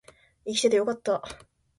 生きててよかった